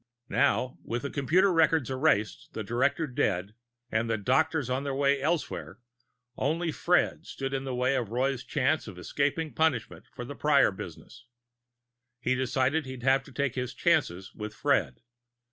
Now, with the computer records erased, the director dead, and the doctors on their way elsewhere, only Fred stood in the way of Roy's chance of escaping punishment for the Prior business. He decided he'd have to take his chances with Fred.